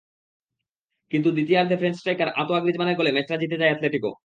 কিন্তু দ্বিতীয়ার্ধে French striker আঁতোয়া গ্রিজমানের গোলে ম্যাচটা জিতে যায় অ্যাটলেটিকো।